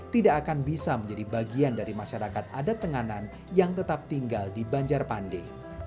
tidak akan bisa menjadi bagian dari masyarakat adat tenganan yang tetap tinggal di banjarpande